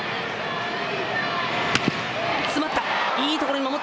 詰まった。